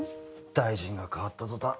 大臣が変わったとたん